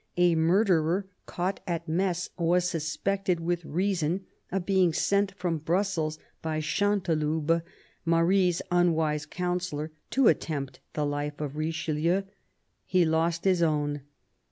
A murderer, caught at Metz, was suspected with reason of being sent from Brussels by Chanteloube, Marie's unwise counsellor, to attempt the life of Richelieu: he lost his own.